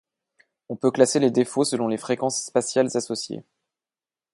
On peut classer les défauts selon les fréquences spatiales associées.